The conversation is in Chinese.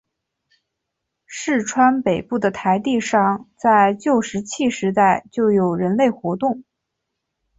市川北部的台地上在旧石器时代就有人类活动。